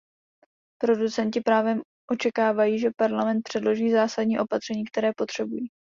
Producenti právem očekávají, že Parlament předloží zásadní opatření, které potřebují.